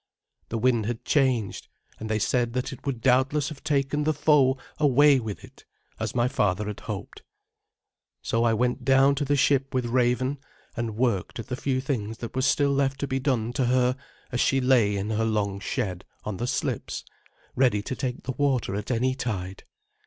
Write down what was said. The wind had changed, and they said that it would doubtless have taken the foe away with it, as my father had hoped. So I went down to the ship with Raven, and worked at the few things that were still left to be done to her as she lay in her long shed on the slips, ready to take the water at any tide.